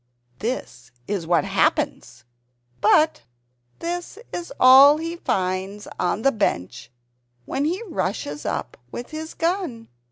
This is what happens But this is all he finds on the bench when he rushes up with his gun.